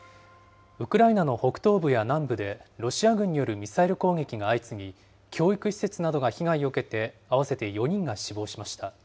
ウクライナの北東部や南部で、ロシア軍によるミサイル攻撃が相次ぎ、教育施設などが被害を受けて、合わせて４人が死亡しました。